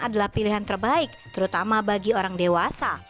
adalah pilihan terbaik terutama bagi orang dewasa